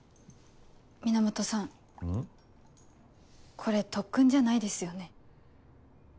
これ特訓じゃないですよね。